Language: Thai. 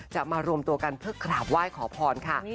มารวมตัวกันเพื่อกราบไหว้ขอพรค่ะ